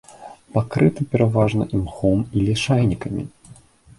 Пакрыты пераважна імхом і лішайнікамі.